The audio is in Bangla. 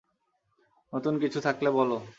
নতুন কিছু থাকলে বলো।